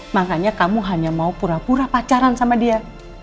makanya kamu hanya mau pura pura pacaran sama dia